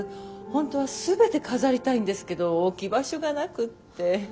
本当は全て飾りたいんですけど置き場所がなくって。